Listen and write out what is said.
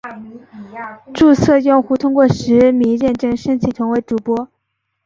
注册用户通过实名认证申请成为主播。